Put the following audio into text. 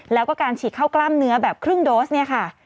แล้วก็การฉีดเข้ากล้ามเนื้อแบบครึ่งโดสเนี่ยค่ะ